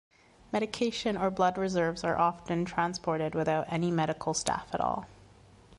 Medication or blood reserves are often transported without any medical staff at all.